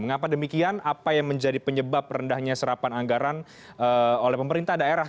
mengapa demikian apa yang menjadi penyebab rendahnya serapan anggaran oleh pemerintah daerah